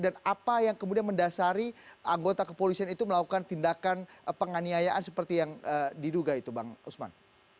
dan apa yang kemudian mendasari anggota kepolisian itu melakukan tindakan penganiayaan seperti yang diduga itu bang usman